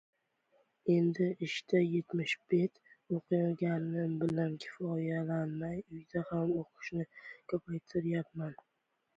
Endi ishda yetmish bet oʻqiganim bilan kifoyalanmay, uyda ham oʻqishni koʻpaytiryapman.